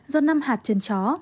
do năm hạt chân chó